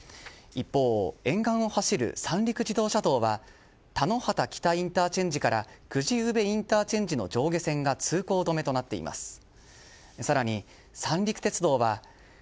一方、沿岸を走る三陸自動車道は田野畑北インターチェンジから久慈宇部インターチェンジの上下線が通行止めとなっています。